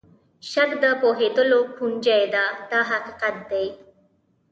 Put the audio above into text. شک د پوهېدلو کونجۍ ده دا حقیقت دی.